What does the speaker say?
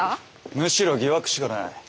むしろ疑惑しかない。